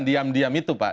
diam diam itu pak